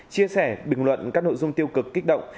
chia sẻ bình luận các nội dung tiêu cực kích động